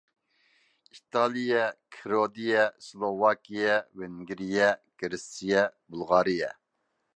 ئىتالىيە، كىرودىيە، سىلوۋاكىيە، ۋېنگىرىيە، گىرېتسىيە، بۇلغارىيە.